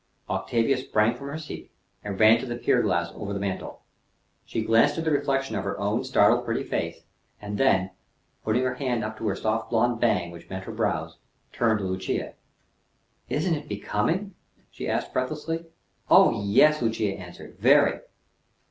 Octavia sprang from her seat, and ran to the pier glass over the mantle. She glanced at the reflection of her own startled, pretty face, and then, putting her hand up to the soft blonde "bang" which met her brows, turned to Lucia. "Isn't it becoming?" she asked breathlessly. "Oh, yes!" Lucia answered. "Very."